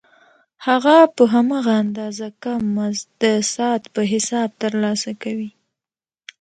هغه په هماغه اندازه کم مزد د ساعت په حساب ترلاسه کوي